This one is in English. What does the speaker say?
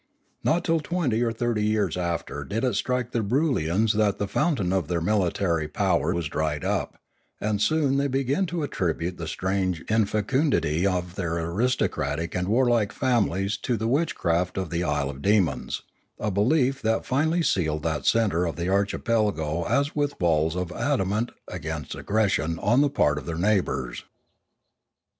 Not till twenty or thirty years after did it strike the Broolyians that the fountain of their military powerwas dried up, and soon they began to attribute the strange in fecundity of their aristocratic and warlike families to the witch craft of the isle of demons, a belief that finally sealed that centre of the archipelago as with walls of adamant against aggression on the part of their neighbours.